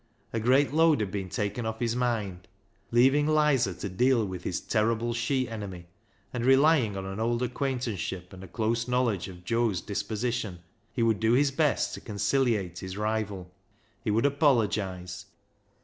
A great load had been taken off his mind. Leaving Lizer to deal wdth his terrible she enemy, and relying on old acquaintanceship and a close knowledge of Joe's disposition, he would do his best to conciliate his rival. He would apologise.